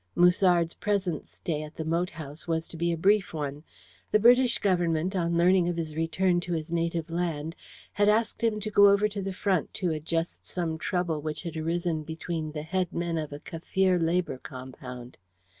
Musard's present stay at the moat house was to be a brief one. The British Government, on learning of his return to his native land, had asked him to go over to the front to adjust some trouble which had arisen between the head men of a Kaffir labour compound.